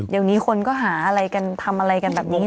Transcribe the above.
เดี๋ยวนี้คนก็หาอะไรกันทำอะไรกันแบบนี้